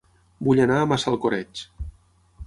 Vull anar a Massalcoreig